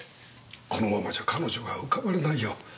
このままじゃ彼女が浮かばれないよ。